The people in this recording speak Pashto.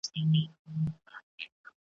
بزګران له بارانه خوشاله کېږي.